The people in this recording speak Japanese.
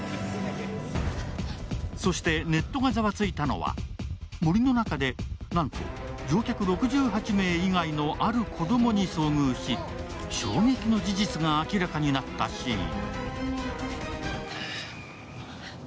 そして、ネットがざわついたのは、森の中でなんと乗客６８名以外のある子供に遭遇し衝撃の事実が明らかになったシーン。